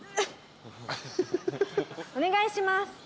お願いします。